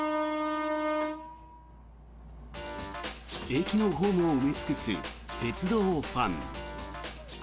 駅のホームを埋め尽くす鉄道ファン。